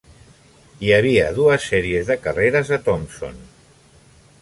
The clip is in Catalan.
Hi havia dues sèries de carreres de Thompson.